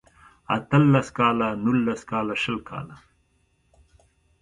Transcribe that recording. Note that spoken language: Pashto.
اته لس کاله نولس کاله شل کاله